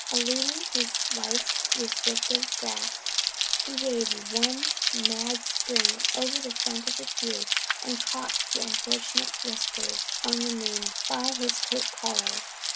Eluding his wife's restraining grasp, he gave one mad spring over the front of the pew and caught the unfortunate Whiskers on the moon by his coat collar.